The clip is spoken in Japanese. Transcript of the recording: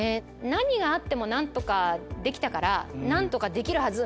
何があっても何とかできたから何とかできるはず！